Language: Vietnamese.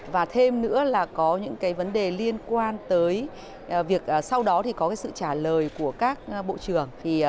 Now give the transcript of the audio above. và thêm nữa là có những vấn đề liên quan tới việc sau đó thì có sự trả lời của các bộ trưởng